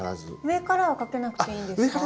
上からはかけなくていいんですか？